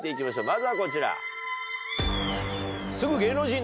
まずはこちら。